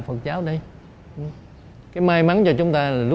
phát triển mạnh hơn cho nên từ